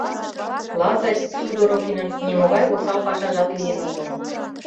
Лазарь Судорогинын нимогай осал пашажат лийын огыл.